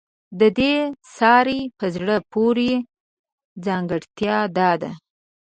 د دې سیارې په زړه پورې ځانګړتیا دا ده